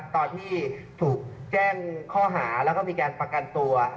ตอนที่ถูกแจ้งข้อหาแล้วก็มีการประกันตัว